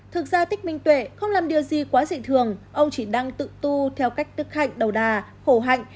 thực ra thích minh tuệ không làm điều gì quá dị thường ông chỉ đang tự tu theo cách thực hành đầu đà khổ hạnh